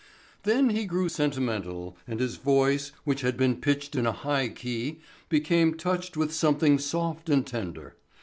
Then he grew sentimental and his voice, which had been pitched in a high key, became touched with something soft and tender.